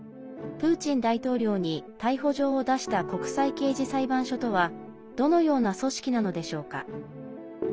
プーチン大統領に逮捕状を出した国際刑事裁判所とはどのような組織なのでしょうか。